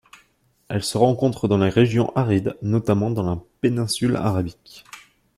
Elle se rencontre dans les régions arides, notamment dans la péninsule Arabique.